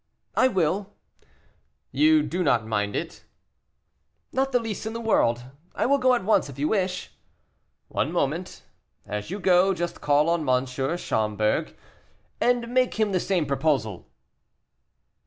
"I will." "You do not mind it?" "Not the least in the world. I will go at once if you wish it." "One moment; as you go, just call on M. Schomberg and make him the same proposal."